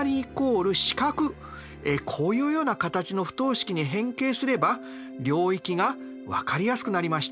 □こういうような形の不等式に変形すれば領域が分かりやすくなりました。